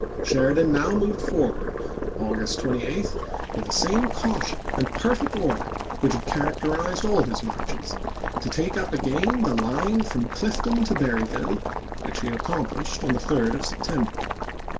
Sheridan now moved forward — August 28 — with the same caution and perfect order which had characterized all his marches, to take up again the line from Clifton to Berryville, which he accom plished on the 3d of September.